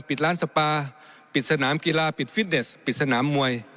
ปิดร้านสปาปิดสนามกีฬาปิดฟิตเนสปิดสนามมวย